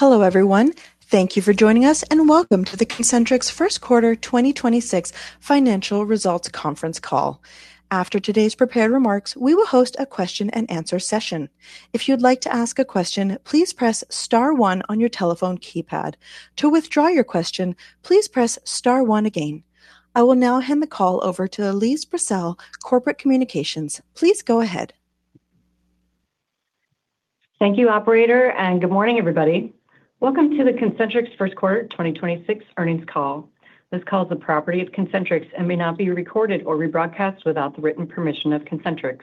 Hello, everyone. Thank you for joining us, and welcome to the Concentrix Q1 2026 Financial Results Conference Call. After today's prepared remarks, we will host a Q&A session. If you'd like to ask a question, please press star one on your telephone keypad. To withdraw your question, please press star one again. I will now hand the call over to Elise Brassell, Corporate Communications. Please go ahead. Thank you, operator, and good morning, everybody. Welcome to the Concentrix Q1 2026 earnings call. This call is the property of Concentrix and may not be recorded or rebroadcast without the written permission of Concentrix.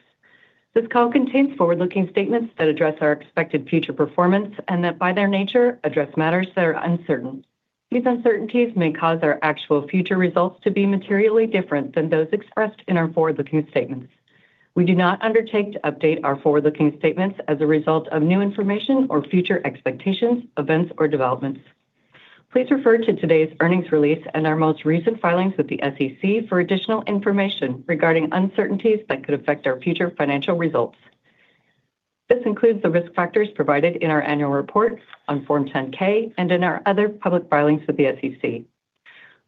This call contains forward-looking statements that address our expected future performance and that by their nature address matters that are uncertain. These uncertainties may cause our actual future results to be materially different than those expressed in our forward-looking statements. We do not undertake to update our forward-looking statements as a result of new information or future expectations, events, or developments. Please refer to today's earnings release and our most recent filings with the SEC for additional information regarding uncertainties that could affect our future financial results. This includes the risk factors provided in our annual report on Form 10-K and in our other public filings with the SEC.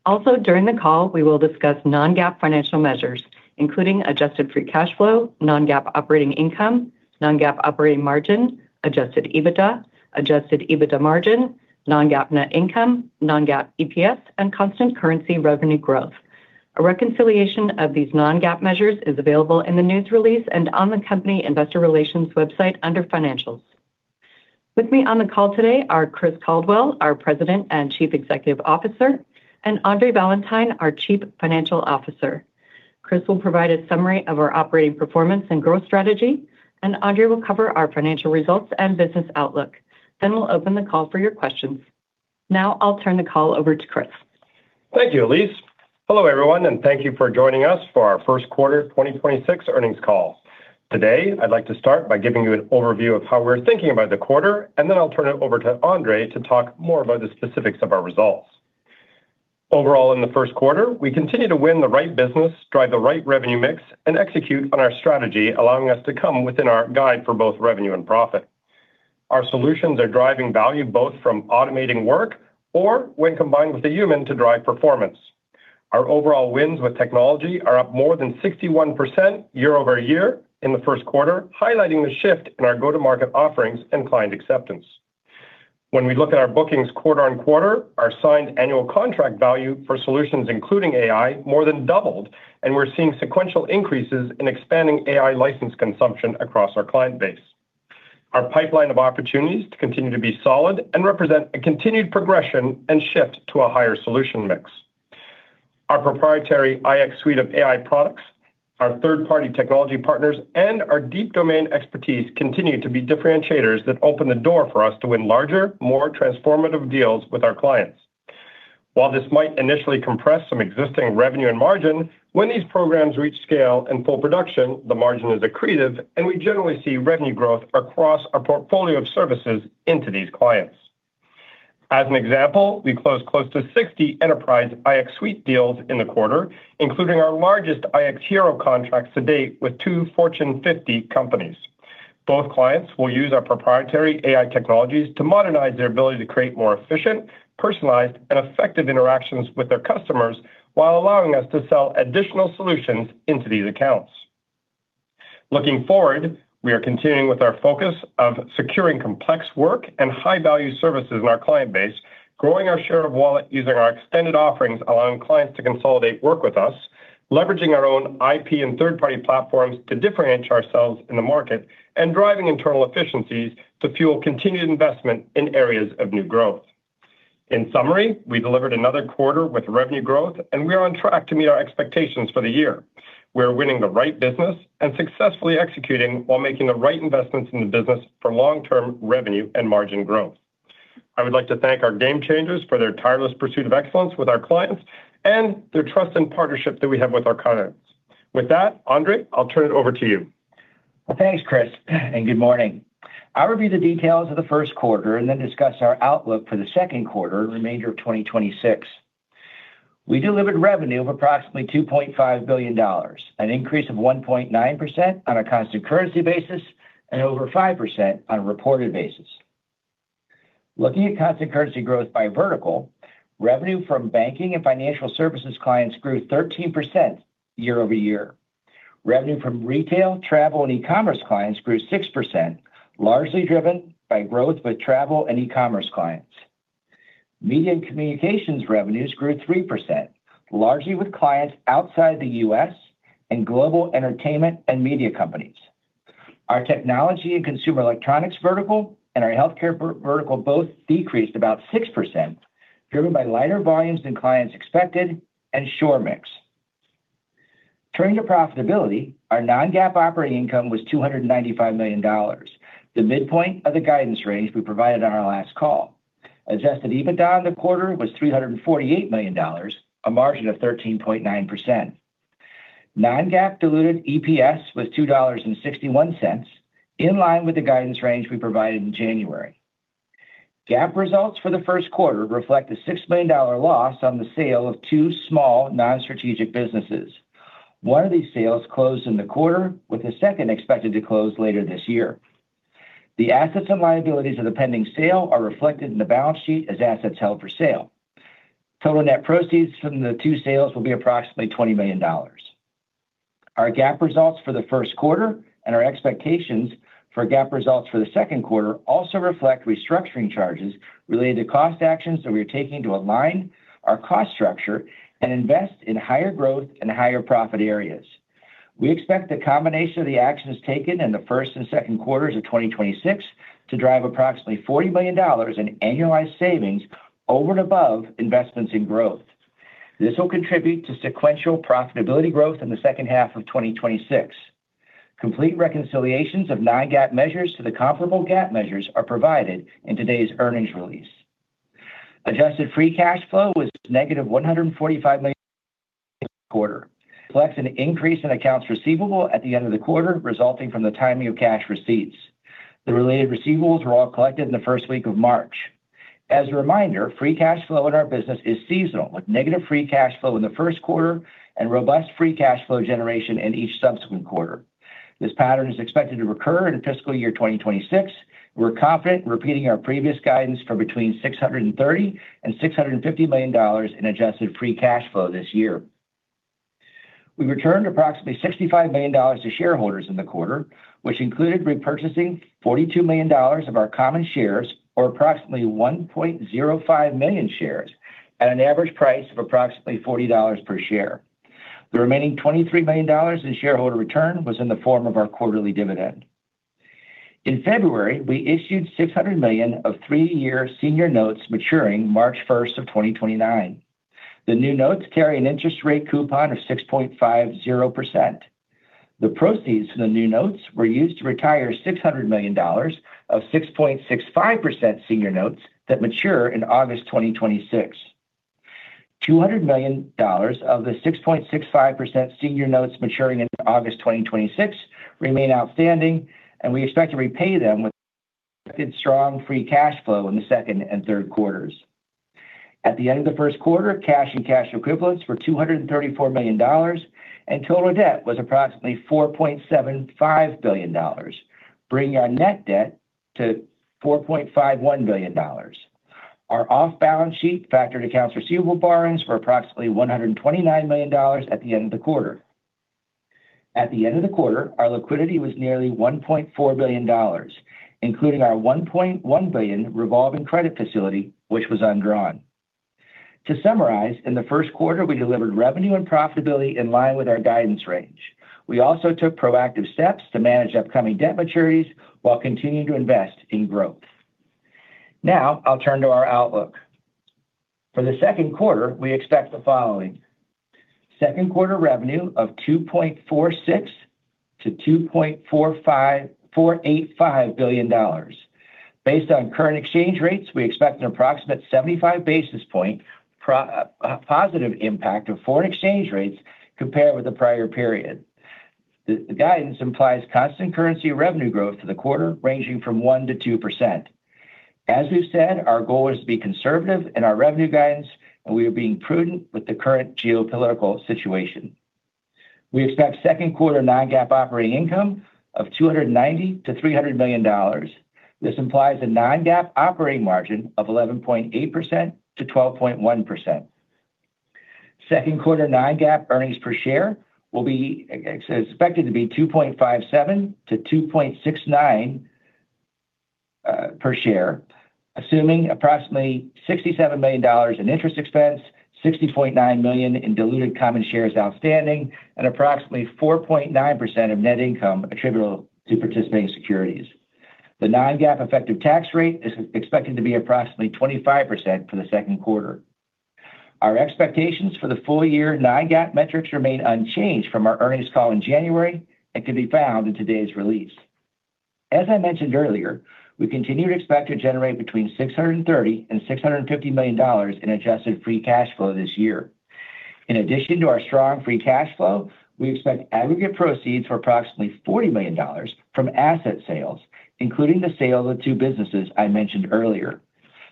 Also, during the call, we will discuss non-GAAP financial measures, including adjusted free cash flow, non-GAAP operating income, non-GAAP operating margin, adjusted EBITDA, adjusted EBITDA margin, non-GAAP net income, non-GAAP EPS, and constant currency revenue growth. A reconciliation of these non-GAAP measures is available in the news release and on the company investor relations website under financials. With me on the call today are Chris Caldwell, our President and Chief Executive Officer, and Andre Valentine, our Chief Financial Officer. Chris will provide a summary of our operating performance and growth strategy, and Andre will cover our financial results and business outlook. Then we'll open the call for your questions. Now I'll turn the call over to Chris. Thank you, Elise. Hello, everyone, and thank you for joining us for our Q1 2026 earnings call. Today, I'd like to start by giving you an overview of how we're thinking about the quarter, and then I'll turn it over to Andre to talk more about the specifics of our results. Overall, in the Q1, we continue to win the right business, drive the right revenue mix, and execute on our strategy, allowing us to come within our guide for both revenue and profit. Our solutions are driving value both from automating work or when combined with a human to drive performance. Our overall wins with technology are up more than 61% year-over-year in the Q1, highlighting the shift in our go-to-market offerings and client acceptance. When we look at our bookings quarter on quarter, our signed annual contract value for solutions including AI more than doubled, and we're seeing sequential increases in expanding AI license consumption across our client base. Our pipeline of opportunities continue to be solid and represent a continued progression and shift to a higher solution mix. Our proprietary iX suite of AI products, our third-party technology partners, and our deep domain expertise continue to be differentiators that open the door for us to win larger, more transformative deals with our clients. While this might initially compress some existing revenue and margin, when these programs reach scale and full production, the margin is accretive, and we generally see revenue growth across our portfolio of services into these clients. As an example, we closed close to 60 enterprise iX suite deals in the quarter, including our largest iX Hero contracts to date with two Fortune 50 companies. Both clients will use our proprietary AI technologies to modernize their ability to create more efficient, personalized, and effective interactions with their customers while allowing us to sell additional solutions into these accounts. Looking forward, we are continuing with our focus of securing complex work and high-value services in our client base, growing our share of wallet using our extended offerings, allowing clients to consolidate work with us, leveraging our own IP and third-party platforms to differentiate ourselves in the market, and driving internal efficiencies to fuel continued investment in areas of new growth. In summary, we delivered another quarter with revenue growth, and we are on track to meet our expectations for the year. We are winning the right business and successfully executing while making the right investments in the business for long-term revenue and margin growth. I would like to thank our game changers for their tireless pursuit of excellence with our clients and their trust and partnership that we have with our clients. With that, Andre, I'll turn it over to you. Thanks, Chris, and good morning. I'll review the details of the Q1 and then discuss our outlook for the Q2 and remainder of 2026. We delivered revenue of approximately $2.5 billion, an increase of 1.9% on a constant currency basis and over 5% on a reported basis. Looking at constant currency growth by vertical, revenue from banking and financial services clients grew 13% year-over-year. Revenue from retail, travel, and e-commerce clients grew 6%, largely driven by growth with travel and e-commerce clients. Media and communications revenues grew 3%, largely with clients outside the U.S. and global entertainment and media companies. Our technology and consumer electronics vertical and our healthcare vertical both decreased about 6%, driven by lighter volumes than clients expected and onshore mix. Turning to profitability, our non-GAAP operating income was $295 million, the midpoint of the guidance range we provided on our last call. Adjusted EBITDA in the quarter was $348 million, a margin of 13.9%. Non-GAAP diluted EPS was $2.61, in line with the guidance range we provided in January. GAAP results for the Q1 reflect a $6 million loss on the sale of two small non-strategic businesses. One of these sales closed in the quarter, with the second expected to close later this year. The assets and liabilities of the pending sale are reflected in the balance sheet as assets held for sale. Total net proceeds from the two sales will be approximately $20 million. Our GAAP results for the Q1 and our expectations for GAAP results for the Q2 also reflect restructuring charges related to cost actions that we are taking to align our cost structure and invest in higher growth and higher profit areas. We expect the combination of the actions taken in the first and Q2 of 2026 to drive approximately $40 million in annualized savings over and above investments in growth. This will contribute to sequential profitability growth in the H2 of 2026. Complete reconciliations of non-GAAP measures to the comparable GAAP measures are provided in today's earnings release. Adjusted free cash flow was negative $145 million in the quarter. It reflects an increase in accounts receivable at the end of the quarter, resulting from the timing of cash receipts. The related receivables were all collected in the first week of March. As a reminder, free cash flow in our business is seasonal, with negative free cash flow in the Q1 and robust free cash flow generation in each subsequent quarter. This pattern is expected to recur in FY 2026. We're confident in repeating our previous guidance for between $630 million and $650 million in adjusted free cash flow this year. We returned approximately $65 million to shareholders in the quarter, which included repurchasing $42 million of our common shares, or approximately 1.05 million shares, at an average price of approximately $40 per share. The remaining $23 million in shareholder return was in the form of our quarterly dividend. In February, we issued $600 million of 3-year senior notes maturing March 1, 2029. The new notes carry an interest rate coupon of 6.50%. The proceeds from the new notes were used to retire $600 million of 6.65% senior notes that mature in August 2026. $200 million of the 6.65% senior notes maturing in August 2026 remain outstanding, and we expect to repay them with strong free cash flow in the second and Q3. At the end of the Q1, cash and cash equivalents were $234 million, and total debt was approximately $4.75 billion, bringing our net debt to $4.51 billion. Our off-balance sheet factored accounts receivable borrowings were approximately $129 million at the end of the quarter. At the end of the quarter, our liquidity was nearly $1.4 billion, including our $1.1 billion revolving credit facility, which was undrawn. To summarize, in the Q1 we delivered revenue and profitability in line with our guidance range. We also took proactive steps to manage upcoming debt maturities while continuing to invest in growth. Now I'll turn to our outlook. For the Q2, we expect the following. Q2 revenue of $2.46 billion to $2.485 billion. Based on current exchange rates, we expect an approximate 75 basis point positive impact of foreign exchange rates compared with the prior period. The guidance implies constant currency revenue growth for the quarter ranging from 1% to 2%. As we've said, our goal is to be conservative in our revenue guidance, and we are being prudent with the current geopolitical situation. We expect Q2 non-GAAP operating income of $290 million to $300 million. This implies a non-GAAP operating margin of 11.8% to 12.1%. Q2 non-GAAP earnings per share will be expected to be 2.57 to 2.69 per share, assuming approximately $67 million in interest expense, 60.9 million in diluted common shares outstanding, and approximately 4.9% of net income attributable to participating securities. The non-GAAP effective tax rate is expected to be approximately 25% for the Q2. Our expectations for the full year non-GAAP metrics remain unchanged from our earnings call in January and can be found in today's release. As I mentioned earlier, we continue to expect to generate between $630 million and $650 million in adjusted free cash flow this year. In addition to our strong free cash flow, we expect aggregate proceeds for approximately $40 million from asset sales, including the sale of the two businesses I mentioned earlier.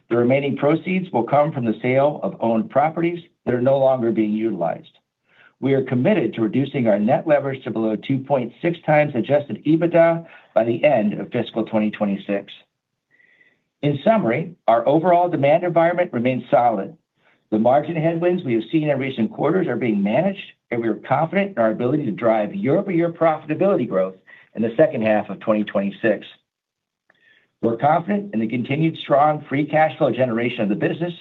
The remaining proceeds will come from the sale of owned properties that are no longer being utilized. We are committed to reducing our net leverage to below 2.6x adjusted EBITDA by the end of fiscal 2026. In summary, our overall demand environment remains solid. The margin headwinds we have seen in recent quarters are being managed, and we are confident in our ability to drive year-over-year profitability growth in the H2 of 2026. We're confident in the continued strong free cash flow generation of the business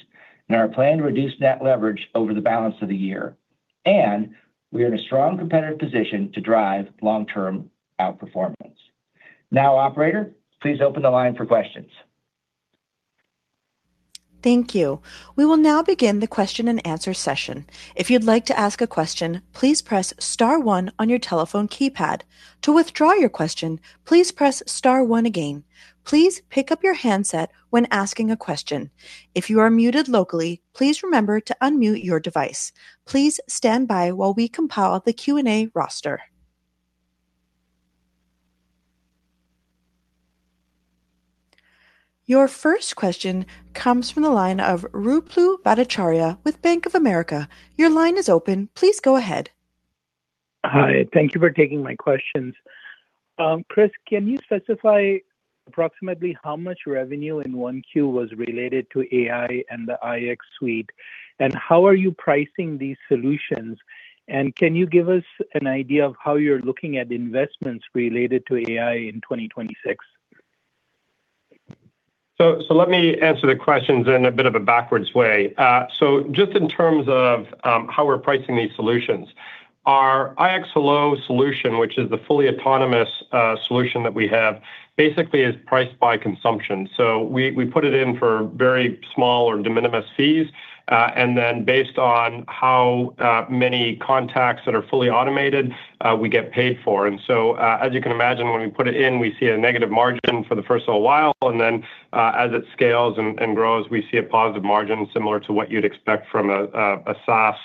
and our plan to reduce net leverage over the balance of the year. We are in a strong competitive position to drive long-term outperformance. Now, operator, please open the line for questions. Thank you. We will now begin the Q&A session. If you'd like to ask a question, please press star one on your telephone keypad. To withdraw your question, please press star one again. Please pick up your handset when asking a question. If you are muted locally, please remember to unmute your device. Please stand by while we compile the Q&A roster. Your first question comes from the line of Ruplu Bhattacharya with Bank of America. Your line is open. Please go ahead. Hi. Thank you for taking my questions. Chris, can you specify approximately how much revenue in 1Q was related to AI and the iX suite? How are you pricing these solutions? Can you give us an idea of how you're looking at investments related to AI in 2026? Let me answer the questions in a bit of a backwards way. Just in terms of how we're pricing these solutions, our iX Hello solution, which is the fully autonomous solution that we have, basically is priced by consumption. We put it in for very small or de minimis fees, and then based on how many contacts that are fully automated, we get paid for. As you can imagine, when we put it in, we see a negative margin for the first little while, and then as it scales and grows, we see a positive margin similar to what you'd expect from a SaaS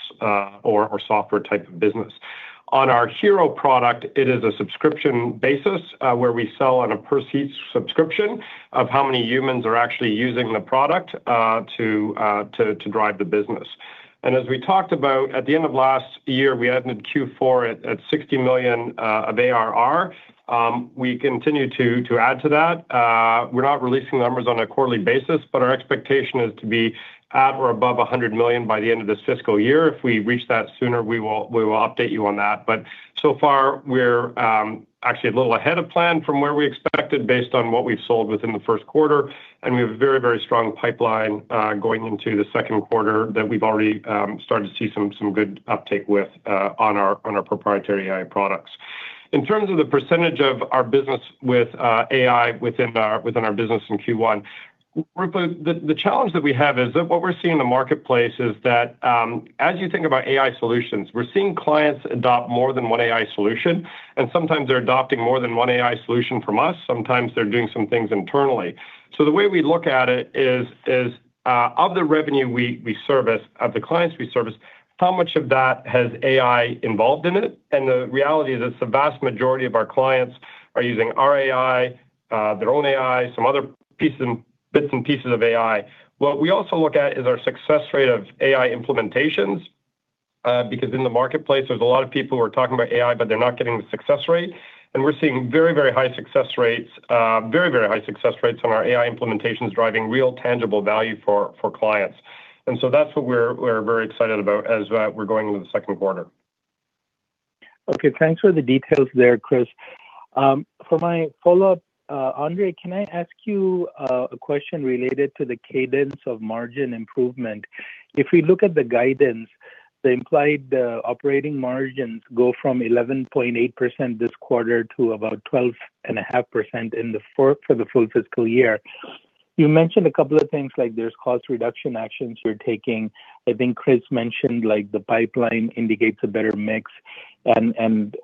or software type of business. On our iX Hero product, it is a subscription basis, where we sell on a per-seat subscription of how many humans are actually using the product, to drive the business. As we talked about at the end of last year, we ended Q4 at $60 million of ARR. We continue to add to that. We're not releasing numbers on a quarterly basis, but our expectation is to be at or above $100 million by the end of this FY. If we reach that sooner, we will update you on that. So far, we're actually a little ahead of plan from where we expected based on what we've sold within the Q1, and we have a very, very strong pipeline going into the Q2 that we've already started to see some good uptake with on our proprietary AI products. In terms of the percentage of our business with AI within our business in Q1, Ruplu, the challenge that we have is that what we're seeing in the marketplace is that as you think about AI solutions, we're seeing clients adopt more than one AI solution, and sometimes they're adopting more than one AI solution from us. Sometimes they're doing some things internally. The way we look at it is of the revenue we service, of the clients we service, how much of that has AI involved in it? The reality is that the vast majority of our clients are using our AI, their own AI, some other bits and pieces of AI. What we also look at is our success rate of AI implementations because in the marketplace, there's a lot of people who are talking about AI, but they're not getting the success rate. We're seeing very, very high success rates, very, very high success rates on our AI implementations driving real tangible value for clients. That's what we're very excited about as we're going into the Q2. Okay. Thanks for the details there, Chris. For my follow-up, Andre, can I ask you a question related to the cadence of margin improvement? If we look at the guidance, the implied operating margins go from 11.8% this quarter to about 12.5% for the full FY. You mentioned a couple of things like there's cost reduction actions you're taking. I think Chris mentioned, like, the pipeline indicates a better mix, and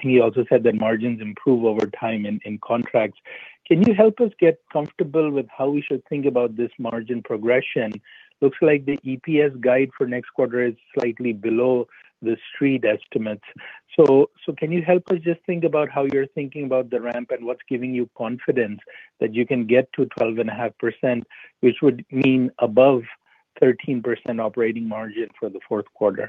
he also said that margins improve over time in contracts. Can you help us get comfortable with how we should think about this margin progression? Looks like the EPS guide for next quarter is slightly below the Street estimates. Can you help us just think about how you're thinking about the ramp and what's giving you confidence that you can get to 12.5%, which would mean above 13% operating margin for the Q4?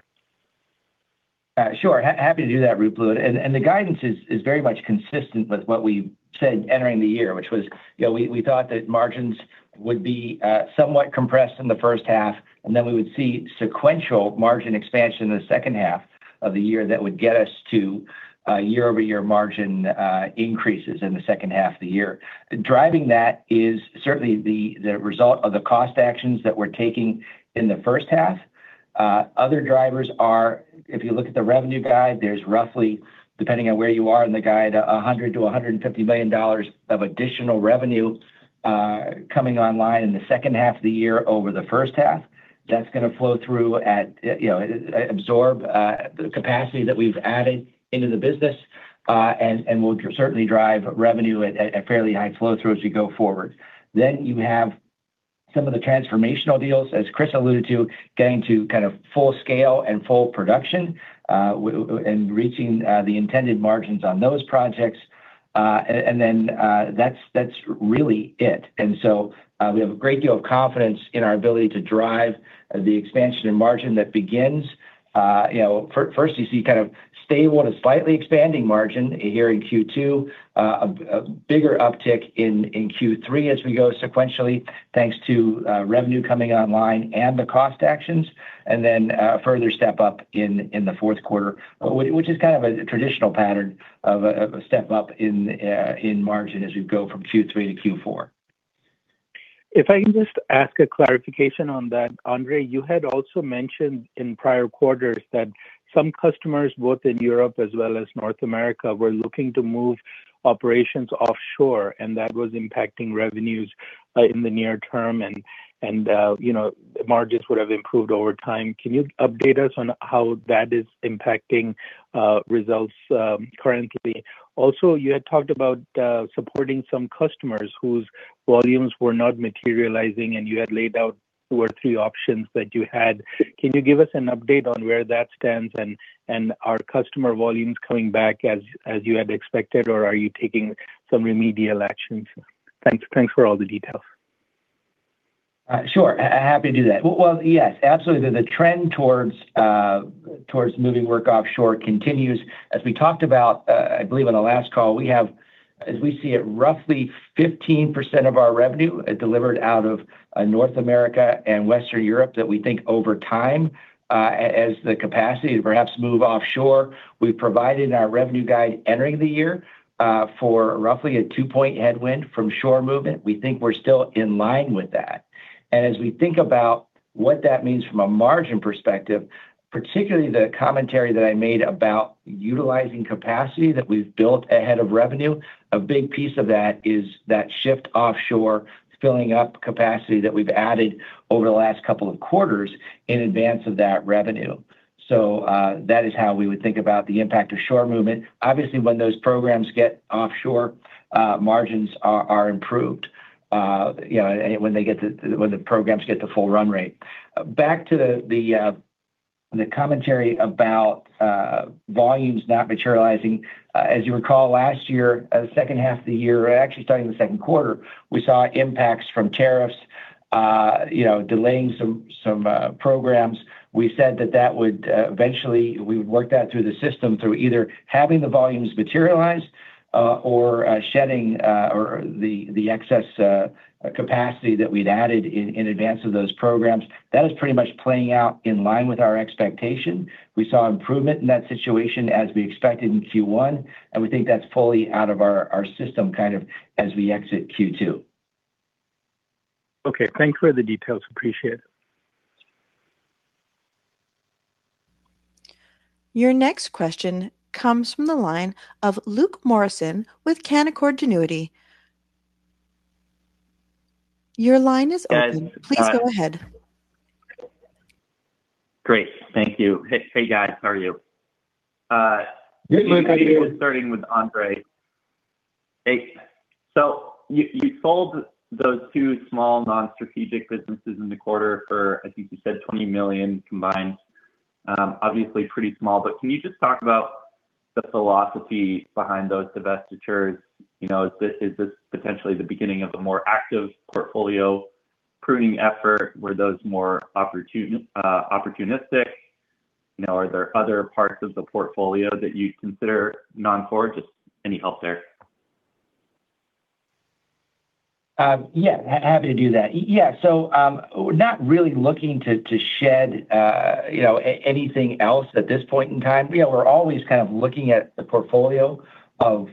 Sure. Happy to do that, Ruplu. The guidance is very much consistent with what we said entering the year, which was, you know, we thought that margins would be somewhat compressed in the H1, and then we would see sequential margin expansion in the H2 of the year that would get us to year-over-year margin increases in the H2 of the year. Driving that is certainly the result of the cost actions that we're taking in the H1. Other drivers are, if you look at the revenue guide, there's roughly, depending on where you are in the guide, $100 million to $150 million of additional revenue coming online in the H2 of the year over the H1. That's gonna flow through at, you know, absorb the capacity that we've added into the business, and will certainly drive revenue at fairly high flow-through as we go forward. You have some of the transformational deals, as Chris alluded to, getting to kind of full scale and full production, and reaching the intended margins on those projects. And then that's really it. We have a great deal of confidence in our ability to drive the expansion in margin that begins, you know, first, you see kind of stable to slightly expanding margin here in Q2, a bigger uptick in Q3 as we go sequentially, thanks to revenue coming online and the cost actions, and then a further step up in the Q4, which is kind of a traditional pattern of a step up in margin as we go from Q3 to Q4. If I can just ask a clarification on that, Andre. You had also mentioned in prior quarters that some customers, both in Europe as well as North America, were looking to move operations offshore, and that was impacting revenues in the near term and you know margins would have improved over time. Can you update us on how that is impacting results currently? Also, you had talked about supporting some customers whose volumes were not materializing, and you had laid out two or three options that you had. Can you give us an update on where that stands and are customer volumes coming back as you had expected, or are you taking some remedial actions? Thanks for all the details. Sure. Happy to do that. Well, yes, absolutely. The trend towards moving work offshore continues. As we talked about, I believe on the last call, we have, as we see it, roughly 15% of our revenue is delivered out of North America and Western Europe that we think over time, as the capacity to perhaps move offshore, we've provided in our revenue guide entering the year, for roughly a 2-point headwind from onshore movement. We think we're still in line with that. As we think about what that means from a margin perspective, particularly the commentary that I made about utilizing capacity that we've built ahead of revenue, a big piece of that is that shift offshore filling up capacity that we've added over the last couple of quarters in advance of that revenue. That is how we would think about the impact of offshore movement. Obviously, when those programs get offshore, margins are improved, you know, when the programs get the full run rate. Back to the commentary about volumes not materializing, as you recall, last year, the H2 of the year, or actually starting in the Q2, we saw impacts from tariffs, you know, delaying some programs. We said that would eventually, we would work that through the system through either having the volumes materialize or shedding the excess capacity that we'd added in advance of those programs. That is pretty much playing out in line with our expectation. We saw improvement in that situation as we expected in Q1, and we think that's fully out of our system kind of as we exit Q2. Okay. Thanks for the details. Appreciate it. Your next question comes from the line of Luke Morrison with Canaccord Genuity. Your line is open. Please go ahead. Great. Thank you. Hey, guys. How are you? Hey, Luke. How are you? Maybe we'll start with Andre. You sold those two small non-strategic businesses in the quarter for, I think you said $20 million combined, obviously pretty small, but can you just talk about the philosophy behind those divestitures? You know, is this potentially the beginning of a more active portfolio pruning effort? Were those more opportunistic? You know, are there other parts of the portfolio that you'd consider non-core? Just any help there. Happy to do that. Yeah, not really looking to shed, you know, anything else at this point in time. You know, we're always kind of looking at the portfolio of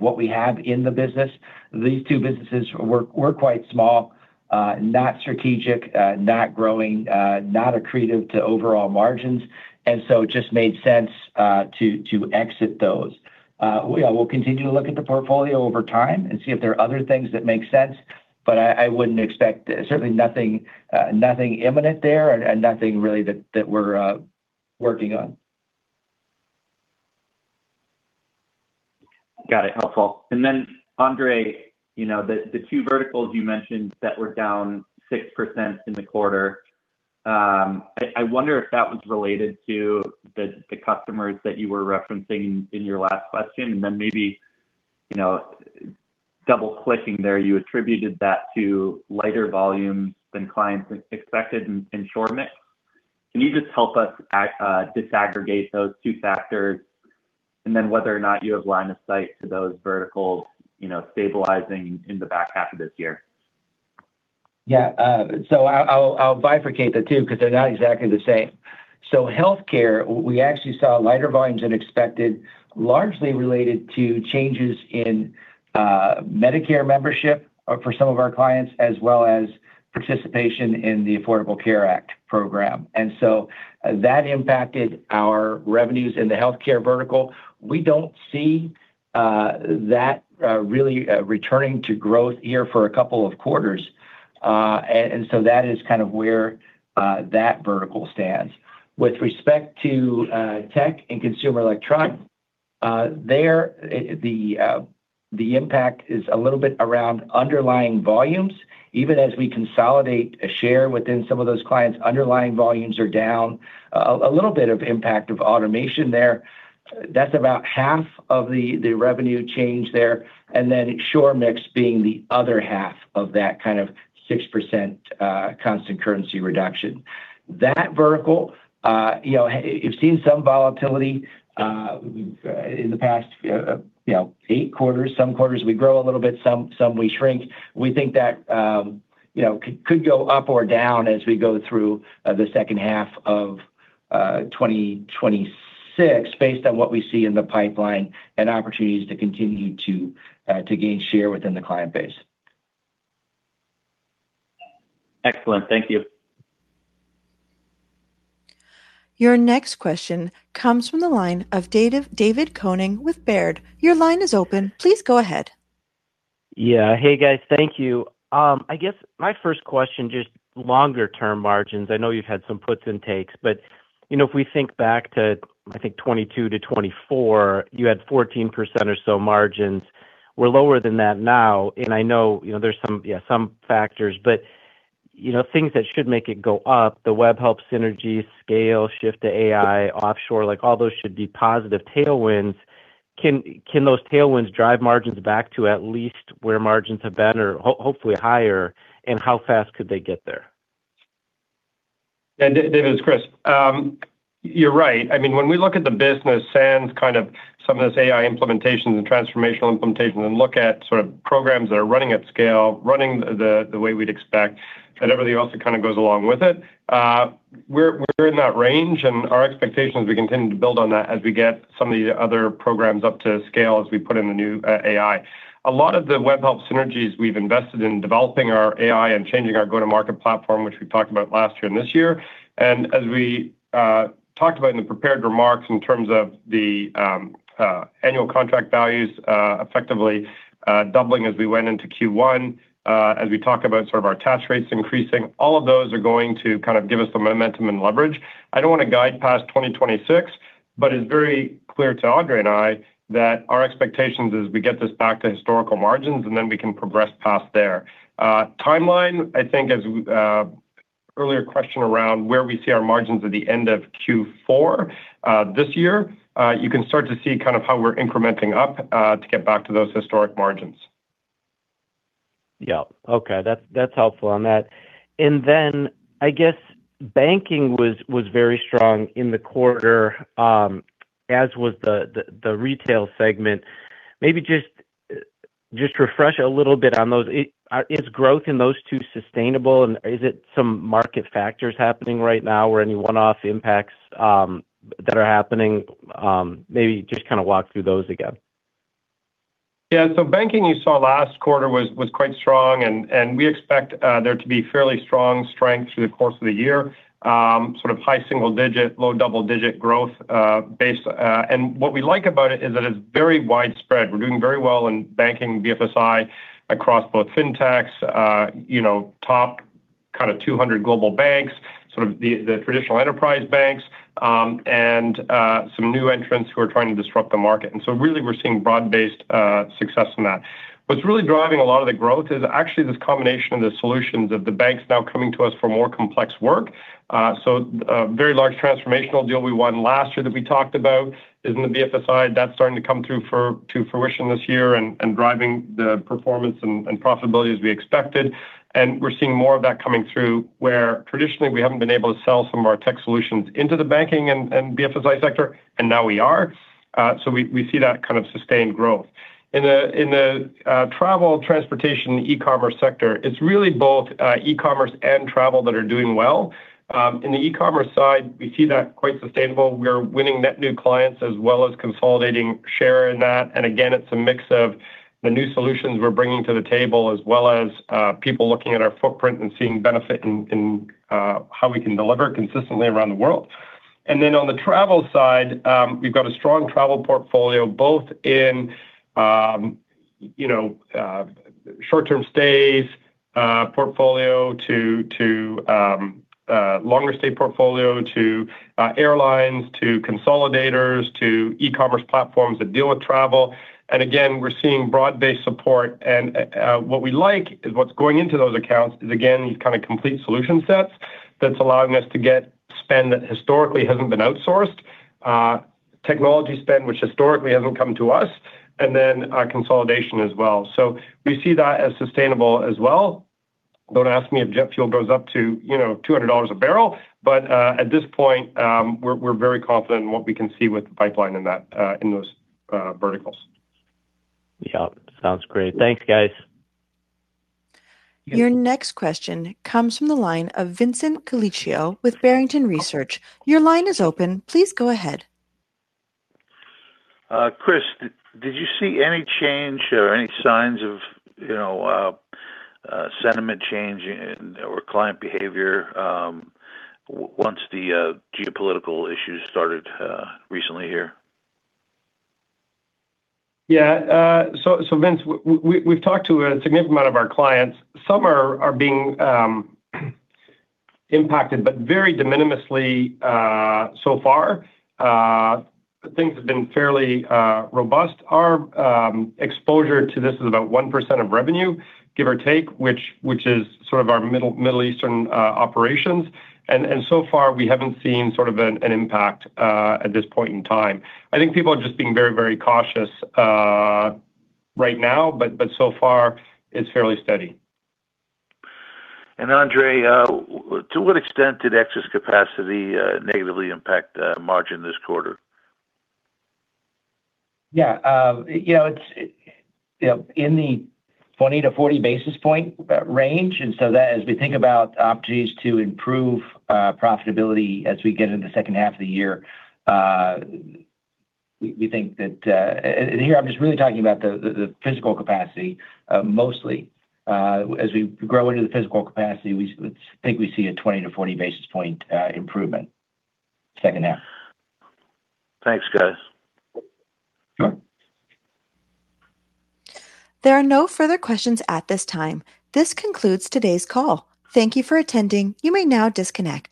what we have in the business. These two businesses were quite small, not strategic, not growing, not accretive to overall margins, and so it just made sense to exit those. We'll continue to look at the portfolio over time and see if there are other things that make sense. I wouldn't expect certainly nothing imminent there and nothing really that we're working on. Got it. Helpful. Andre, you know, the two verticals you mentioned that were down 6% in the quarter, I wonder if that was related to the customers that you were referencing in your last question, and then maybe, you know, double-clicking there, you attributed that to lighter volumes than clients expected in onshore mix. Can you just help us disaggregate those two factors, and then whether or not you have line of sight to those verticals, you know, stabilizing in the back half of this year? Yeah. I'll bifurcate the two 'cause they're not exactly the same. Healthcare, we actually saw lighter volumes than expected, largely related to changes in Medicare membership for some of our clients, as well as participation in the Affordable Care Act program. That impacted our revenues in the healthcare vertical. We don't see that really returning to growth here for a couple of quarters. That is kind of where that vertical stands. With respect to tech and consumer electronics, the impact is a little bit around underlying volumes. Even as we consolidate a share within some of those clients, underlying volumes are down. A little bit of impact of automation there. That's about half of the revenue change there, and then offshore mix being the other half of that kind of 6% constant currency reduction. That vertical, you know, you've seen some volatility in the past 8 quarters. Some quarters we grow a little bit, some we shrink. We think that could go up or down as we go through the H2 of 2026 based on what we see in the pipeline and opportunities to continue to gain share within the client base. Excellent. Thank you. Your next question comes from the line of David Koning with Baird. Your line is open. Please go ahead. Yeah. Hey, guys. Thank you. I guess my first question, just longer-term margins. I know you've had some puts and takes, but you know, if we think back to, I think, 2022 to 2024, you had 14% or so margins. We're lower than that now, and I know, you know, there's some, yeah, some factors. But you know, things that should make it go up, the Webhelp synergies, scale, shift to AI, offshore, like, all those should be positive tailwinds. Can those tailwinds drive margins back to at least where margins have been or hopefully higher? And how fast could they get there? David, it's Chris. You're right. I mean, when we look at the business sans kind of some of those AI implementations and transformational implementation and look at sort of programs that are running at scale, running the way we'd expect, and everything else that kinda goes along with it, we're in that range, and our expectation is we continue to build on that as we get some of the other programs up to scale as we put in the new AI. A lot of the Webhelp synergies we've invested in developing our AI and changing our go-to-market platform, which we talked about last year and this year. As we talked about in the prepared remarks in terms of the annual contract values, effectively doubling as we went into Q1, as we talk about sort of our task rates increasing, all of those are going to kind of give us some momentum and leverage. I don't wanna guide past 2026, but it's very clear to Andre and I that our expectations is we get this back to historical margins, and then we can progress past there. Timeline, I think as earlier question around where we see our margins at the end of Q4 this year, you can start to see kind of how we're incrementing up to get back to those historic margins. Yeah. Okay. That's helpful on that. Then I guess banking was very strong in the quarter, as was the retail segment. Maybe just to refresh a little bit on those. Is growth in those two sustainable and is it some market factors happening right now or any one-off impacts that are happening? Maybe just kinda walk through those again. Yeah. Banking, you saw last quarter was quite strong and we expect there to be fairly strong strength through the course of the year, sort of high single digit, low double digit growth base. What we like about it is that it's very widespread. We're doing very well in banking BFSI across both fintechs, you know, top kinda 200 global banks, sort of the traditional enterprise banks, and some new entrants who are trying to disrupt the market. Really we're seeing broad-based success in that. What's really driving a lot of the growth is actually this combination of the solutions of the banks now coming to us for more complex work. Very large transformational deal we won last year that we talked about is in the BFSI. That's starting to come through to fruition this year and driving the performance and profitability as we expected. We're seeing more of that coming through where traditionally we haven't been able to sell some of our tech solutions into the banking and BFSI sector, and now we are. We see that kind of sustained growth. In the travel, transportation, e-commerce sector, it's really both e-commerce and travel that are doing well. In the e-commerce side, we see that quite sustainable. We're winning net new clients as well as consolidating share in that. Again, it's a mix of the new solutions we're bringing to the table as well as people looking at our footprint and seeing benefit in how we can deliver consistently around the world. On the travel side, we've got a strong travel portfolio, both in, you know, short-term stays, longer stay portfolio, airlines, to consolidators, to e-commerce platforms that deal with travel. Again, we're seeing broad-based support. What we like is what's going into those accounts is, again, these kinda complete solution sets that's allowing us to get spend that historically hasn't been outsourced, technology spend which historically hasn't come to us, and then, consolidation as well. We see that as sustainable as well. Don't ask me if jet fuel goes up to, you know, $200 a barrel, but at this point, we're very confident in what we can see with the pipeline in that, in those, verticals. Yeah. Sounds great. Thanks, guys. Your next question comes from the line of Vincent Colicchio with Barrington Research. Your line is open. Please go ahead. Chris, did you see any change or any signs of, you know, sentiment change in our client behavior once the geopolitical issues started recently here? Yeah. So Vincent, we've talked to a significant amount of our clients. Some are being impacted, but very de minimis so far. Things have been fairly robust. Our exposure to this is about 1% of revenue, give or take, which is sort of our Middle Eastern operations. So far we haven't seen sort of an impact at this point in time. I think people are just being very cautious right now, but so far it's fairly steady. Andre, to what extent did excess capacity negatively impact margin this quarter? Yeah. You know, it's in the 20 to 40 basis point range. That, as we think about opportunities to improve profitability as we get into the H2 of the year, we think that. Here I'm just really talking about the physical capacity mostly. As we grow into the physical capacity, we think we see a 20 to 40 basis point improvement H2. Thanks, guys. Sure. There are no further questions at this time. This concludes today's call. Thank you for attending. You may now disconnect.